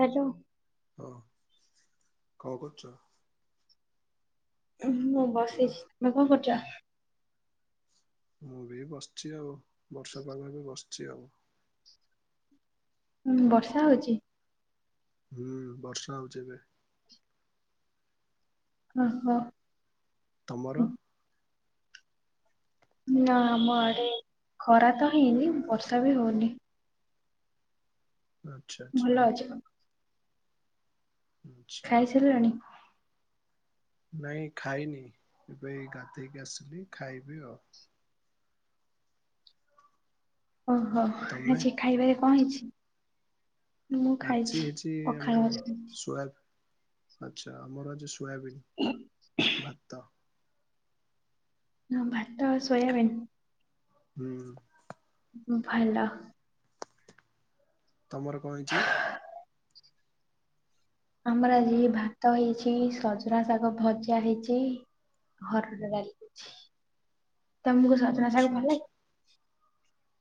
Hello. ହଁ କଣ କରୁଚ? ମୁଁ ବସଛି ତମେ କଣ କରୁଛ? ବସିଛି ଆଉ ବର୍ଷା ପାାଗ କୁ ବସିଛି ଆଉ। ହୁଁ ବର୍ଷା ହଉଛି? ହୁଁ ବର୍ଷା ହଉଛି ଏବେ। ଓହୋ। ତୋର। ନା ଆମ ଆଡେ ଖରା କାହିଁ ବର୍ଷା ବି ହଉନି। ଆଛା ଭଲ ଆଛା। ଅଛି ଆଚ୍ଛାହଁ। ଖାଇସାରିଲାଣି? ନାଇଁ ଖାଇନି ଏଇ ଗାଧେଇକି ଆସିଲି ଖାଇବି ଆଉ। ଓହୋ ତମେ? ଆଜି ଖାଇବାରେ କଣ ହେଇଛି? ମୁଁ ଆଜି ଖାଇଛି ହେଇଛି ପଖାଳ ଆମର ଭାତ ଖାଇଛି। ସ୍ୱା ଆଚ୍ଛା ଆମର ସୋୟାବିନ୍ ଭାତ। ହଁ ଭାତ ଆଉ ସୋୟାବିନ୍। ବାଇଗଣ ଉଁ ଉଁ ଭଲ। ତମର କଁ ହେଇଚି? ଆମର ଆଜି ଭାତ ହେଇଛି ସଜନା ଶାଗ ଭଜା ହେଇଚି। ହରଡ ଡାଲି ହେଇଛି। ତମୁକୁ ସଜନା ଆଚ୍ଛା ଶାଗ ଭଲ ଆଚ୍ଛା ଲା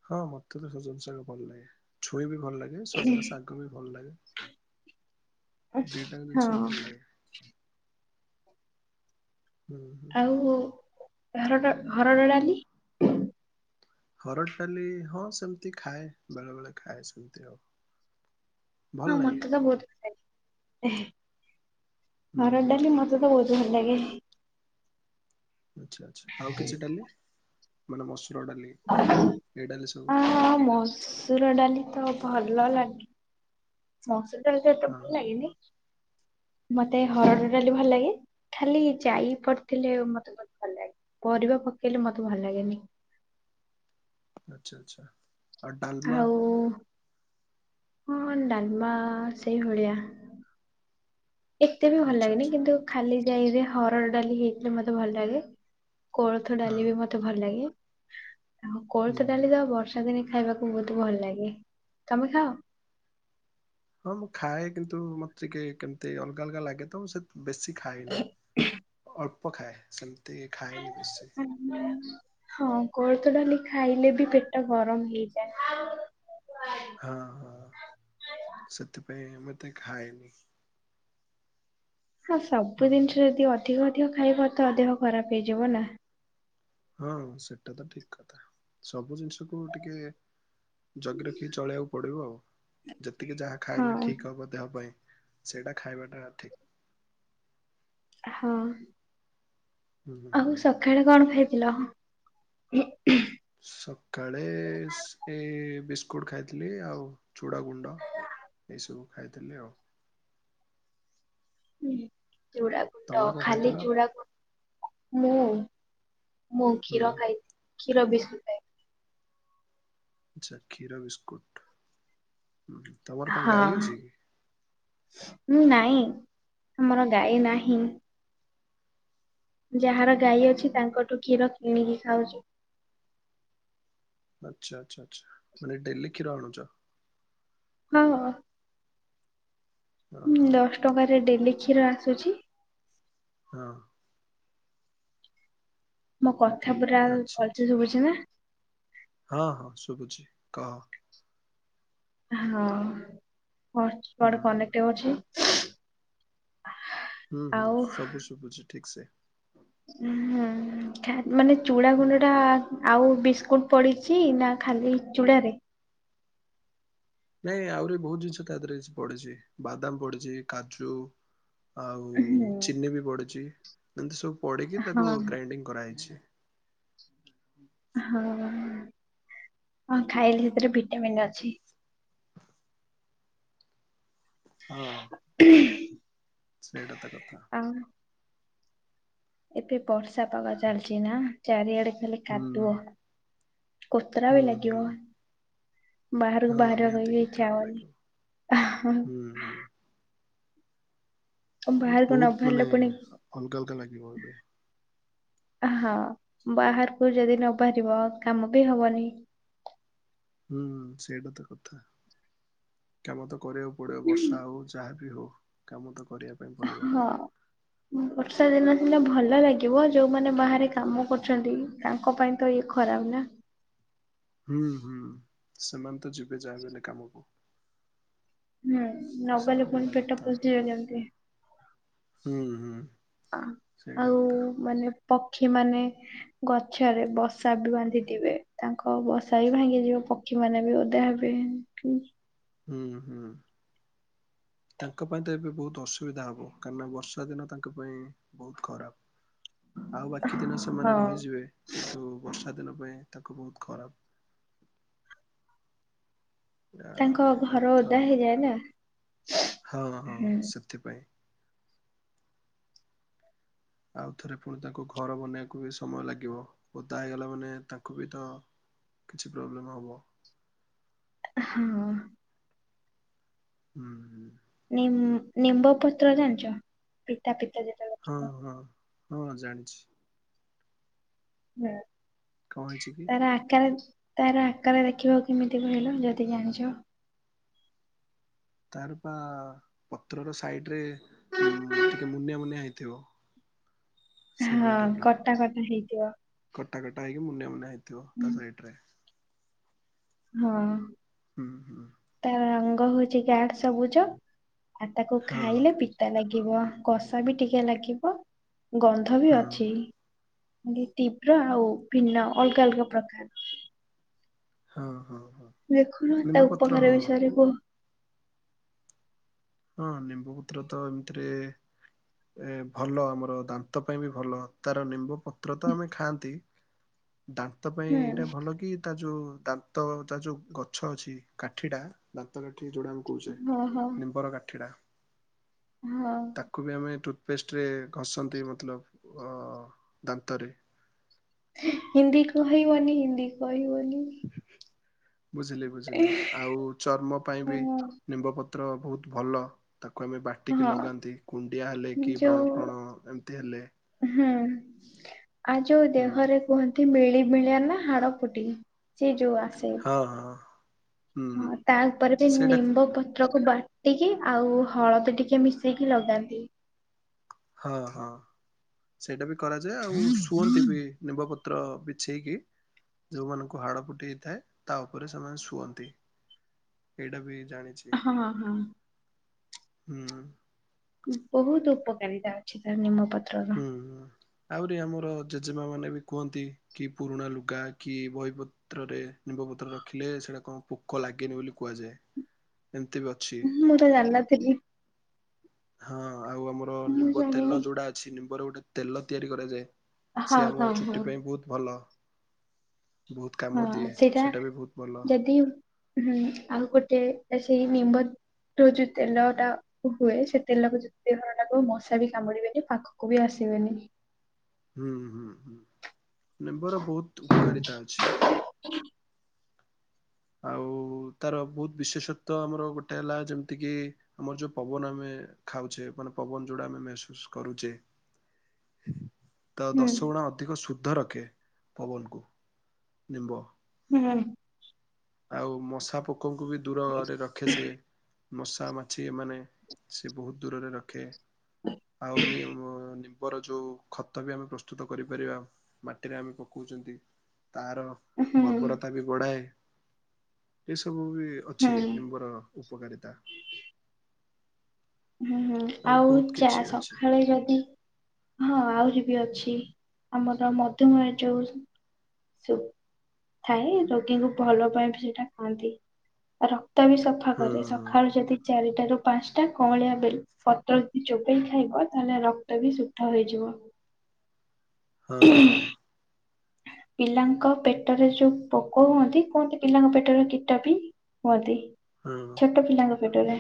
ହଁ ମତେ ତ ସଜନ ଶାଗ ଭଲ ଲାଗେ ଛୁଇଁ ବି ଭଲ ଲା ଇଁ ସଜନା ଶାଗ ବି ଭଲ ଲାଗେ ଦିଟାଆଙ୍କ ଜିନିଷ ହଁ ଭଲ ଲାଗେ। ହୁଁ ହୁଁ ଆଉ ହରଡ ହରଡ ଡାଲି। ହରଡ ଡାଲି ହଁ ସେମତି ଖାଏ ବେଳେବେଳେ ଖାଏ ସେମତି ଆଉ। ଭଲ ହଁ ଲାଗେ। ମତେ ତ ବୋହୁତ ଭଲ ଲାଗେ ହୁଁ ହରଡ ହୁଁ ଡାଲି ମ ମତେ ବୋହୁତ ହିଁ ଭଲ ଲାଗେ। ଆଚ୍ଛା ଆଚ୍ଛା ଆଉ କିଛି ଡାଲି ମାନେ ମସୁର ଡାଲି ଏଇ ଡାଲି ସବୁ ଆଁ ମସୁର ଡାଲି ତ ଭଲ ଲା ମସୁରଡାଲିଟା ଏତେ ହଁ ଭଲ ଲାଗେନି ମତେ ହରଡ ଡାଲି ଭଲ ଲାଗେ‌। ଖାଲି ଜାଇ ପଡିଥିଲେ ମତେ ବୋହୁତ ଭଲ ଲାଗେ ପରିବା ପକେଇଲେ ମତେ ଭଲ ଲାଗେନି। ଆଚ୍ଛା ଆଚ୍ଛା। ଆଉ ଡାଲମା ଆଉ କଁ ଡାଲମା ସେଇ ଭଳିଆ। ଏତେ ବି ଭଲ ଆଚ୍ଛା ଲାଗେନି ଆଚ୍ଛା କିନ୍ତୁ ଖାଲି ଜାଇରେ ହରଡ ଡାଲି ହେଇଥିଲେ ମତେ ଭଲ ଲାଗେ। କୋଳଥ ଡାଲି ହଁ ବି ମତେ ଭଲ ଲାଗେ ଆଉ ହୁଁ କୋଳଥ ହୁଁ ଡାଲି ତ ବର୍ଷା ଦିନେ ଖାଇବାକୁ ଭୋଉତୁ ଭଲ ଲାଗେ ତମେ ଖାଅ? ହଁ ମୁଁ ଖାଏ କିନ୍ତୁ ମତେ ଟିକେ କେମତି ଅଲଗା ଅଲଗା ଲାଗେ ତ ମୁଁ ସେ ବେଶୀ ଖାଏନି ଅଳ୍ପ ଖାଏ ସେମତି ଖାଏନି ବେଶୀ। ଉଁ ହଁ କୋଳଥ ଡାଲି ଖାଇଲେ ବି ପେଟ ଗରମ ହେଇଯାଏ। ହଁ ହଁ ସେଥିପାଇଁ ମୁଁ ଏତେ ଖାଏନି। ହଁ ହୁଁ ସବୁ ହୁଁ ଜିନିଷ ଯଦି ଅଧିକ ଅଧିକ ଖାଇବ ତ ଦେହ ଖରାପ ହେଇଯିବ ନା। ହଁ ସେଟା ତ ଠିକ୍ କଥା ସବୁ ଜିନଷକୁ ଟିକେ ଜଗି ରଖିକି ଚଳେଇଆକୁ ପଡିବ ଆଉ ଯେତିକି ଯାହା ଖାଇଲେ ହଁ ଠିକ୍ ହବ ଦେହ ପାଇଁ ସେଇଟା ଖାଇବାଟା ଠିକ୍। ହଁ। ଆହୁ ହୁଁ ସଖାଳେ କଣ ଖାଇଥିଲ ଉଁ [unintelligible] ସକାଳେ ସେଇ ବିସ୍କୁଟ ଖାଇଥିଲି ଆଉ ଚୁଡାଗୁଣ୍ଡ ଏଇସବୁ ଖାଇଥିଲି ଆଉ। ଉଁ ଚୁଡାଗୁଣ୍ଡ ତମେ କଣ ଖାଲି ଖାଇଥିଲ ଚୁଡାଗୁ ମୁଁ ମୁଁ ହୁଁ କ୍ଷୀର ଖାଇ କ୍ଷୀର ବିସ୍କୁ ଆଚ୍ଛା କ୍ଷୀର ବିସ୍କୁଟ ଉଁ ହୁଁ। ତମର କଣ ହଁ ଗାଈ ଅଛି କି ମୁଁ ନାଇଁ ଆମର ଗାଈ ନାହିଁ। ଯାହାର ଗାଈ ଅଛି ତାଙ୍କଠୁ କ୍ଷୀର କିଣିକି ଖାଉଚି। ଆଚ୍ଛା ଆଚ୍ଛା ଆଚ୍ଛା ମାନେ ଡେଲି କ୍ଷୀର ଆଣୁଚ। ହଁ ହଁ। ହଁ ଉଁ ହଁ ଦଶ ଟଙ୍କାରେ ଡେଲି କ୍ଷୀର ଆସୁଛି। ହଁ। ମୋ କଥା ପୁରା ଆଚ୍ଛା [unintelligible] ଆଚ୍ଛା ଶୁଭୁଛି ନା। ହଁ ହଁ ଶୁଭୁଛି କହ। ହଁ କରୁଛି ହୁଁ କୁଆଡେ ହୁଁ କନେକ୍ଟ ଅଛି? ହୁଁ ହୁଁ ଆଉ ସବୁ ଶୁଭୁଛି ଠିକ୍ ସେ। ହୁଁ ହୁଁ ମାନେ ଚୂଡ଼ା ହୁଁ ଗୁଣ୍ଡ ଟା ହୁଁ ଆଉ ବିସ୍କୁଟ ପଡିଛି ନା ଖାଲି ଚୁଡ଼ା। ନାଇଁ ଆହୁରି ବହୁତ ଜିନିଷ ତା ଦେହରେ ପଡିଛି ବାଦାମ ପଡିଛି କାଜୁ ଆଉ ହଁ ଚିନି ବି ପଡ଼ୁଛି ଏମିତି ସବୁ ପଡ଼ିକି ତାକୁ ହଁ ଗ୍ରାଇଣ୍ଡିଙ୍ଗ କରାହେଇଛି। ହଁ ହଁ ଖାଇଲେ ସେଥିରେ ଭିଟାମିିନ ଅଛି। ହଁ [inaudible] ସେଇଟା ତ କଥା। ଆଉ। ଏବେ ବର୍ଷା ପାଗ ଚାଲିଚି ନା ଚାରିଆଡେ ଖାଲି ହୁଁ କାଦୁଅ। କୁତୁରା ହୁଁ ବି ହୁଁ ଲାଗିବ। ବାହାରକୁ ହଁ ବାହାରିବା ପାଇଁ ନିହାତି ବି ଇଚ୍ଛା କୁତ୍ରା ଲାଗିବ ହବନି। ହୁଁ ହୁଁ। ବାହାରକୁ ନ ବହୁତ ମାନେ ବାହାରିଲେ ପୁଣି ଅଲଗା ଅଲଗା ଲାଗିବ। ହଁ ବାହାରକୁ ଯଦି ନ ବାହାରିବ କାମ ବି ହବନି। ହୁଁ ସେଇଟା ତ କଥା କାମ ତ କରିବା ପଡିବ ବର୍ଷା ହଉ ଯାହାବି ହଉ କାମ ତ କରି ହଁ। [inaudible] ବର୍ଷା ଦିନ ସିନା ଭଲ ଲାଗିବ ଯୋଉମାନେ ବାହାରେ କାମ କରୁଛନ୍ତି ତାଙ୍କ ପାଇଁ ତ ଇଏ ଖରାପ ନା। ହୁଁ ହୁଁ ସେମାନେ ତ ଯିବେ ଯା ହେଲେ ବି କାମକୁ। ହୁଁ ନଗଲେ ପୁଣି ସେଇଟା ପେଟ କଥା ପୋଷିବେ କେମିତି? ହୁଁ ହୁଁ ସେଇଟା ଆଉ କଥା ମାନେ ପକ୍ଷୀ ମାନେ ଗଛରେ ବସା ବି ବାନ୍ଧିଥିବେ ତାଙ୍କ ବସା ବି ଭାଙ୍ଗିଯିବ। ପକ୍ଷୀ ମାନେ ବି ଓଦା ହେବେ। ହୁଁ ହୁଁ। ତାଙ୍କ ପାଇଁ ତ ଏବେ ବହୁତ ଅସୁବିଧା ହେବ କାହିଁକିନା ବର୍ଷା ଦିନ ତାଙ୍କ ପାଇଁ ବହୁତ ଖରାପ। ଆଉ ବାକି ଦିନ ସେମାନେ ହଁ। ରହିଯିବେ କିନ୍ତୁ ବର୍ଷା ଦିନ ପାଇଁ ତାଙ୍କୁ ବହୁତ ଖରାପ ଏ ତାଙ୍କ ଏଇଟା ଘର କଥା ଓଦା ଆଉ ହେଇଯାଏ ନା। ହଁ ହଁ ହୁଁ। ସେଥିପାଇଁ। ଆଉଥରେ ପୁଣି ତାଙ୍କୁ ଘର ବନେଇବାକୁ ବି ସମୟ ଲାଗିବ। ଓଦା ହେଇଗଲା ମାନେ ତାଙ୍କୁ ବି ତ କିଛି ପ୍ରୋବ୍ଲେମ୍ ହେବ। ହଁ। ହୁଁ ହୁଁ। ନିମ୍ ନିମ୍ବ ପତ୍ର ଜାଣିଛ? ପିତା ପିତା ଯେ ହଁ ହଁ ହଁ ଜାଣିଛି। ହୁଁ। କଣ ହେଇଛି କି? ତାର ଆକାର ତାର ଆକାର ଦେଖିବାକୁ କେମିତି କହିଲ ଯଦି ଜାଣିଛ? ତାର ବା ପତ୍ରର ସାଇଟ୍ ରେ ଟିକେ ମୁନିଆ ମୁନିଆ ହେଇଥିବ। ସିମିଳା ହଁ ଟାଇପର କଟା କଟା ହେଇଥିବ କଟା କଟା ହେଇକି ମୁନିଆଁ ମୁନିଆଁ ହେଇଥିବ ହୁଁ, ତା ସାଇଟ୍ ରେ। ହଁ। [inaudible] ତା ରଙ୍ଗ ହଉଛି ଗାଢ ସବୁଜ ଆଉ ତାକୁ ହଁ ଖାଇଲେ ପି ତା ଲାଗିବ କଷା ବି ଟିକେ ଲାଗିବ ଗନ୍ଧ ବି ହଁ ଅଛି। ତୀବ୍ର ଆଉ ଭିନ୍ନ ଅଲଗା ଅଲଗା ପ୍ରକାର। ହଁ ହଁ ହଁ। ଦେଖୁନ ତା ନିମ୍ବ ପତ୍ର ଉପକାର ହଁ ବିଷୟରେ କୁହ? ହଁ, ନିମ୍ବ ପତ୍ର ଏମିତିରେ ଏ ଭଲ ଆମର ଦାନ୍ତ ପାଇଁ ବି ଭଲ। ତାର ନିମ୍ବ ପତ୍ର ତ ଆମେ ଖାଆନ୍ତି। ଦାନ୍ତ ପାଇଁ ଏଇଟା ହୁଁ ଭଲବି ତା ଯୋଉ ଦାନ୍ତ ତା ଯୋଉ ଗଛ ଅଛି କାଠିଟା ଦାନ୍ତ କାଠି ଯୋଉଟାମ କହୁଚେ ହଁ ହଁ ନିମ୍ବର କାଠିଡ଼ା ହଁ। ତାକୁ ବି ଆମେ ଟୁଥପେଷ୍ଟରେ ଘଷନ୍ତି ମତଲବ ଓ‌ ଦାନ୍ତରେ। ହିନ୍ଦୀ କହିବନି ହିନ୍ଦୀ କହିବନି। ବୁଝିଲି, ବୁଝିଲି, ଆଉ ଚର୍ମ ପାଇଁ ହଁ ବି ନିମ୍ବପତ୍ର ବହୁତ ଭଲ। ତାକୁ ଆମେ ବାଟିକି ହଁ ଲଗାନ୍ତି କୁଣ୍ଡିଆ ହେଲେ କି ଯୋଉ ବ୍ରଣ ଫ୍ରଣ ଏମିତି ହେଲେ। ହୁଁ ଆ ଯୋଉ ହୁଁ ଦେହରେ କୁହନ୍ତି, ମିଳିମିଳିଆ ନା ହାଡ ଫୁଟି ସିଏ ଯୋଉ ଆସେ ହଁ ହଁ। ହଁ, ହୁଁ ତା ଉପରେ ବି ସେଇଟା ନିମ୍ବ ପତ୍ରକୁ ବାଟିକି ଆଉ ହଳଦୀ ଟିକେ ମିଶେଇକି ଲଗାନ୍ତି। ହଁ, ହଁ, ସେଇଟା ବି କରାଯାଏ, ଆଉ ଶୁଅନ୍ତି ବି ନିମ୍ବପତ୍ର ପତ୍ର ବିଛେଇକି ଯୋଉମାନଙ୍କୁ ହାଡ଼ ଫୁଟି ହେଇଥାଏ ତା ଉପରେ ସେମାନେ ଶୁଅନ୍ତି। ଏଇଟା ବି ଜାଣିଛି। ହଁ ହଁ। ହୁଁ। ବହୁତ ଉପକାରିତା ଅଛି ତାର ନିମପତ୍ର। ହୁଁ ହୁଁ ଆହୁରି ଆମର ଜେଜେମା ମାନେ ବି କୁହନ୍ତି? କି ପୁରୁଣା ଲୁଗା କି ବହିପତ୍ରରେ ନିମ୍ବପତ୍ର ରଖିଲେ ସେଇଟା କଣ ପୋକ ଲାଗେନି ବୋଲି କୁହାଯାଏ। ଏମିତି ବି ଅଛି। ମୁଁ ଜାଣିନଥିଲି। ହଁ, ଆଉ ଆମର ମୁଁ ନିମ୍ବ ତେଲ ଜାଣିନି। ଯୋଉଡା ଅଛି। ନିମ୍ବରେ ଗୋଟେ ତେଲ ତିଆରି କରାଯାଏ। ହଁ ସେ ହଁ ଆମ ହଁ। ଚୁଟି ପାଇଁ ବହୁତ ଭଲ। ବହୁତ କାମ ହଁ, ଦିଏ ସେଇଟା ସେଟା ବି ବହୁତ ଭଲ। ଯଦି ହୁଁ ଆଉ ଗୋଟେ ସେଇ ନିମ୍ବ ରୁ ଯୋଉ ତେଲ ଟା ହୁଏ। ସେ ତେଲକୁ ଜଦି [inaudible] ମଶା ବି କାମୁଡିବେନି ପାଖକୁ ବି ଆସିବେନି। ହୁଁ-ହୁଁ-ହୁଁ ନିମ୍ବର ବହୁତ ଉପକାରିତା ଅଛି। ଆଉ ତାର ବହୁତ ବିଶେଷତ୍ୱ ଆମର ଗୋଟେ ହେଲା ଯେମିତି କିି, ଆମର ଯୋଉ ପବନ ଆମେ ଖାଉଛେ ମାନେ ପବନ ଯୋଉଟା ଆମେ ମେହସୁସ୍ କରୁଛେ। ହ- ତ ହୁଁ ଦଶଗୁଣା ଅଧିକ ଶୁଦ୍ଧ ରଖେ ପବନକୁ ନିମ୍ବ। ହୁଁ। ଆଉ ମଶା ପୋକଙ୍କୁ ବି ଦୂର ରଖେ ସେ। ମଶାମାଛି ଏମାନେ ସେ ବହୁତ ଦୂରରେ ରଖେ। ଆଉ-ମି-ମ ନିମ୍ବର ଯୋଉ ତାହା ବିି ଆମେ ପ୍ରସ୍ତୁତ କରିପାରିବା ମାଟିରେ ଆମେ ପକାଉଛନ୍ତି ତାହାର ହୁଁ ବର୍ବରତା ବି ବଢାଏ ଏସବୁ ବି ଅଛି ହୁଁ। ନିମ୍ବର। ଉପକାରିତା। ହୁଁ ହୁଁ ଆହୁରି ଆଉ ବହୁତ ଚା କିଛି ଅଛି ସଖାଳେ ଯଦି ହଁ ଆହୁରି ବି ଅଛି ଆମର ମଧୁମେହ ଯୋଉ ସୁ ଥାଏ ରୋଗୀଙ୍କୁ ଭଲ ପାଇଁ ବି ସେଇଟା ଖୁଆନ୍ତି ରକ୍ତ ବି ସ ହଁ ସଫାକରେ ସଖାଳୁ ଯଦି ଚାରିଟାରୁ ପାଞ୍ଚଟା। କଅଁଳିଆ ବେଲ ପତ୍ର ଯଦି ଚୋବେଇ ଖାଇବ ତାହେଲେ ରକ୍ତ ବି ଶୁଦ୍ଧ ହେଇଯିବ। ହଁ-ହଁ। ପିଲାଙ୍କ ପେଟରେ ଯୋଉ ପୋକ ହୁଅନ୍ତି କୁହନ୍ତି ପିଲାଙ୍କ ପେଟରେ କୀଟ ବି ହୁଅତି ହଁ। ଛୋଟ ପିଲାଙ୍କ ପେଟରେ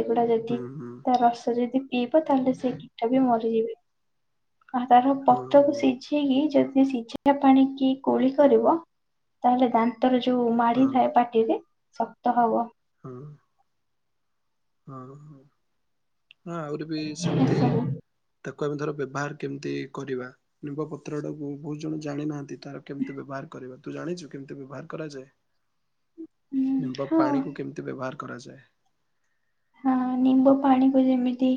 ଏଗୁଡା ଯଦି ହୁଁ ହୁଁ ତା ରସ ଯଦି ପିଇବ ତାହେଲେ ସେ କୀଟ ବି ମରିଯିବେ ଆଉ ତାର ହଁ ପତ୍ରକୁ ହଁ ସିଝେ ଇକି ଯଦି ସିଝା ପାଣି କି କୁଳି କରିବ। ତାହେଲେ ଦାନ୍ତରେ ଯୋଉ ହଁ ମାଢି ଥାଏ ପାଟିରେ ଶକ୍ତ ହବ। ହୁଁ। ଆଉ ହଉ ହଁ ଆହୁରି ବି ସେମିତି। ଏସବୁ। ତାକୁ ଆମେ ଧର ବ୍ୟବହାର କେମିତି କରିବା ନିମ୍ବ ପତ୍ର ଟାକୁ ବହୁତ ଜଣ ଜାଣିନାହାନ୍ତି। ତାର କେମିତି ବ୍ୟବହାର କରିବା ତୁ ଜାଣିଛୁ କେମିତି ବ୍ୟବହାର କରାଯାଏ। ହୁଁ ନିମ୍ବ ହଁ ପାଣିକୁ କେମିତି ବ୍ୟବହାର କରାଯାଏ। ହଁ ନିମ୍ବ ପାଣିକୁ ଯେମିତି।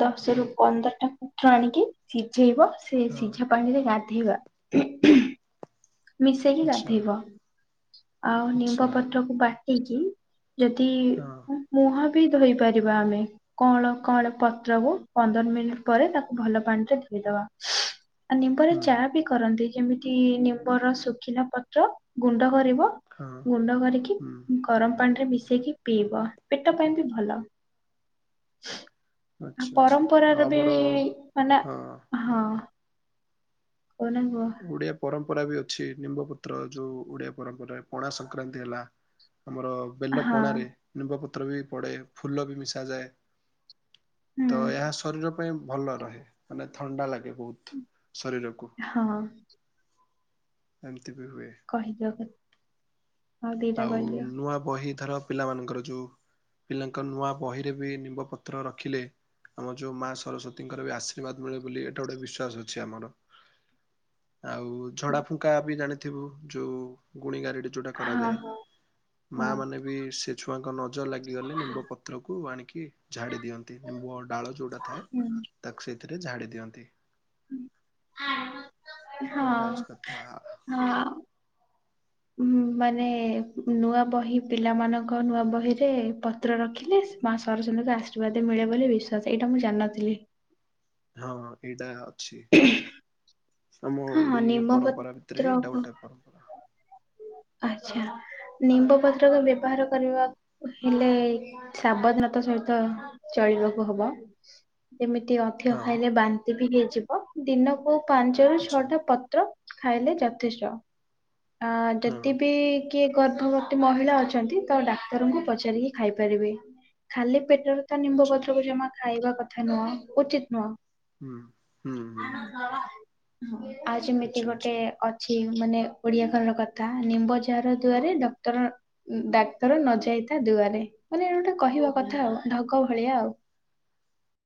ଦଶ ରୁ ପନ୍ଦରଟା ତ୍ର ଆଣିକି ସିଝେଇବ। ସେ ହଁ ସିଝା ପାଣିରେ ଗାଧେଇବା। ମିଶେଇକି ଆଚ୍ଛା। ଗାଧେଇବ ଆଉ ନିମ୍ବ ଆଚ୍ଛା ପତ୍ରକୁ ବାଟିକି। ଯଦି ହଁ ମୁହଁ ବି ଧୋଇ ପାରିବା ଆମେ। କଅଁଳ କଅଁଳ ପତ୍ରକୁ ପନ୍ଦର ମିନିଟ ପରେ ତାକୁ ଭଲ ପାଣିରେ ଧୋଇଦବା। ଆଉ ନିମ୍ବରେ ହୁଁ ଚାହା ବି କରନ୍ତି ଯେମିତି ନିମ୍ବର ଶୁଖିଲା ପତ୍ର ଗୁଣ୍ଡ କରିବ। ହଁ ଗୁଣ୍ଡ କରିକି ହୁଁ ଗରମ ପାଣି ରେ ମିଶେଇକି ପିଇବ ପେଟ ପାଇଁ ବି ଭଲ। ଆଉ ଆଚ୍ଛା ଆଚ୍ଛା ଆଉ ପରମ୍ପରାର ବି ଆମର ମାନେ ହଁ ହଁ। କହୁନା କୁହ। ଓଡିଆ ପରମ୍ପରା ବି ଅଛି ନିମ୍ବପତ୍ର ଯୋଉ ଓଡିଆ ପରମ୍ପରା ପଣା ସଂକ୍ରାନ୍ତି ହେଲା। ଆମର ବେଲ ହଁ ପଣାରେ ନିମ୍ବ ପତ୍ର ବି ପଡେ ଫୁଲ ବି ମିଶା ଯାଏ। ହୁଁ ତ ଏହା ଶରୀର ପାଇଁ ଭଲ ରହେ ମାନେ ଥଣ୍ଡା ଲାଗେ ବହୁତ ଶରୀରକୁ। ହଁ। ଏମତି ବି ହୁଏ। କହିଦବ ଆଉ ଦିଟା କରିଦିଅ। ବହି ଧର ପିଲାମାନଙ୍କର ଯୋଉ ପିଲାଙ୍କ ନୂଆ ବହିରେ ବି ନିମ୍ବ ପତ୍ର ରଖିଲେ। ଆମର ଯୋଉ ମା ସରସ୍ଵତୀଙ୍କର ବି ଆଶୀର୍ବାଦ ମିଳେ ବୋଲି ଏଇଟା ଗୋଟେ ବିଶ୍ଵାସ ଅଛି ଆମର। ଆଉ ଝଡା ଫୁଙ୍କା ବି ଜାଣିଥିବୁ ଯୋଉ ଗୁଣି ଗାରେଡି ଯୋଉଟା ହଁ କରାଯାଏ। ହଁ ମା ହଁ ମାନେ ବି ସେ ଛୁଆଁଙ୍କ ନଜର ଲାଗିଗଲେ ନିମ୍ବ ପତ୍ରକୁ ଆଣିକି ଝାଡ଼ି ଦିଅନ୍ତି ନିମ୍ବୁ ଡାଳ ଯଉଟା ଥାଏ। ହୁଁ। ତାକୁ ସେଥିରେ ଝାଡ଼ି ଦିଅନ୍ତି। ହଁ ଏଇଟା ହଉଛି କଥା ହଁ। ଉ ମାନେ ନୂଆ ବହି ପିଲାମାନଙ୍କ ନୂଆ ବହିରେ, ତ୍ର ରଖିଲେ ସେ ମା ସରସ୍ୱତୀଙ୍କୁ ଆଶୀର୍ବାଦ ମିଳେ ବୋଲି ବିଶ୍ୱାସ ଏଇଟା ମୁଁ ଜାଣଥିଲି। ହଁ ଏଇଟା ଅଛି। ଆମ ହଁ ହଁ ଓଡିଆ ନିମ ପରମ୍ପରା ଭିତରେ ଏଇଟା ପତ୍ରକୁ ଗୋଟ ପର ଆଚ୍ଛା ନିମ୍ବ ପତ୍ରକୁ ବ୍ୟବହାର କରିବା ହେଲେ ସାବଧାନତା ସହିତ ଚଳିବାକୁ ହବ, ଯେମିତି ଅ ଧିକ ହଁ ଖାଇଲେ ବାନ୍ତି ବି ହେଇଯିବ ଦିନକୁ ପାଞ୍ଚ ରୁ ଆଚ୍ଛା ଛଅଟା ପତ୍ର ଖାଇଲେ ଯଥେଷ୍ଟ ଆ ହଁ। ଯେତେ ବିି କିଏ ଗର୍ଭବତୀ ମହିଳା ଅଛନ୍ତି ତ ଡାକ୍ତରଙ୍କୁ ପଚାରିକି ଖାଇପାରିବେ ଖାଲି ପେଟରେ ତା ଆଚ୍ଛା ନିମ୍ବପତ୍ରକୁ ଜମା ଖାଇବା କଥା ନୁହଁ, ଉଚିତ ନୁହଁ ହୁଁ ହୁଁ ହୁଁ। ଆଉ ଯେମିତି ଆଚ୍ଛା ଗୋଟେ ଆଚ୍ଛା। ଅଛି ମାନେ ଓଡିଆ ଘରର କଥା ନିମ୍ବ ଜର ଦୁଆରେ ଡକ୍ଟର ଡାକ୍ଟର ନ ଯାଇଥା ଦୁଆରେ ମାନେଟ ଗୋଟେ କହିବା କଥା ଆଉ ଢଗ ଭଳିଆ ଆଉ।